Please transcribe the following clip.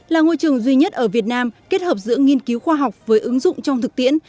là ngôi trường duy nhất ở việt nam kết hợp giữa nghiên cứu khoa học với ứng dụng trong thực tiễn